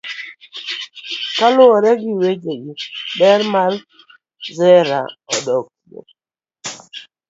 Kaluwore gi wechegi, ber mar zaraa odok piny.